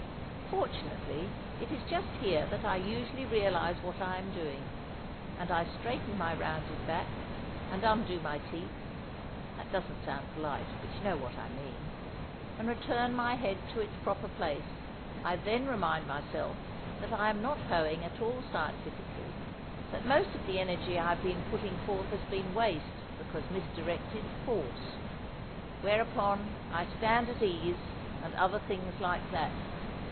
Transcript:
Fortunately, it is just here that I usually realize what I am doing, and I straighten my rounded back, and undo my teeth (that doesn't sound polite, but you know what I mean), and return my head to its proper place. I then remind myself that I am not hoeing at all scientifically, that most of the energy I have been putting forth has been waste—because misdirected—force. Whereupon I stand at ease, and other things like that.